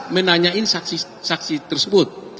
menanyain saksi saksi tersebut